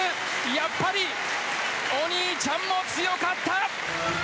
やっぱりお兄ちゃんも強かった！